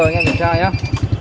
mời anh xuất trình đăng ký bằng